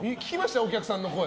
お客さんの声。